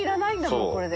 もうこれで。